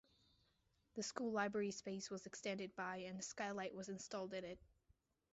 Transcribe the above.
The school library space was extended by and a skylight was installed in it.